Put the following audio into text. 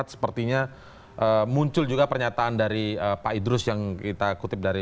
terima kasih pak saramudi